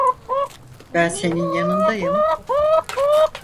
Ben senin yanındayım.